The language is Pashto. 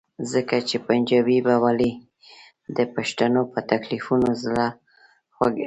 ځکه چې پنجابی به ولې د پښتنو په تکلیفونو زړه خوږوي؟